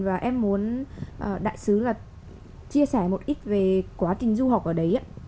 và em muốn đại sứ chia sẻ một ít về quá trình du học ở đấy ạ